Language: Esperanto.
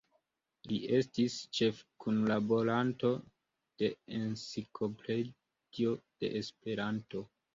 Li estis ĉefkunlaboranto de "Enciklopedio de Esperanto".